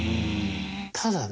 ただね